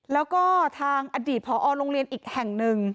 แล้วก็ทางอดีตผอโรงเรียนอีกแห่งหนึ่ง